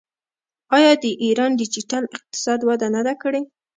آیا د ایران ډیجیټل اقتصاد وده نه ده کړې؟